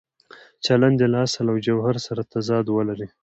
چلند یې له اصل او جوهر سره تضاد ولري.